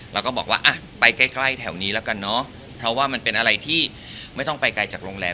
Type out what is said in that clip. แล้วก็บอกว่าอ่ะไปใกล้แถวนี้แล้วกันเนอะเพราะว่ามันเป็นอะไรที่ไม่ต้องไปไกลจากโรงแรม